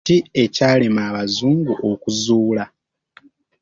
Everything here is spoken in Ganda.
Kiki ekyalema abazungu okuzuula?